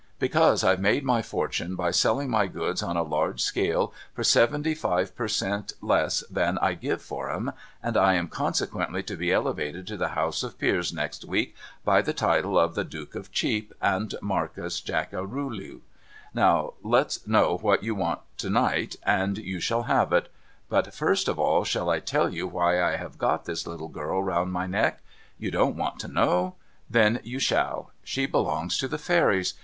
Because I've made my fortune by selling my goods on a large scale for seventy five per cent, less than I give for 'em, and I am consequently to be elevated to the House of Peers next week, by the title of the Duke of Cheap and Markis Jackaloorul. Now let's know what you want to night, and you shall have it. But first of all, shall I tell you why I have got this little girl round my neck ? You don't want to know ? Then you shall. She belongs to the Fairies.